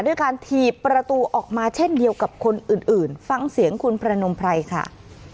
ด้วยการถีบประตูออกมาเช่นเดียวกับคนอื่นฟังเสียงคุณพระนมไพรค่ะ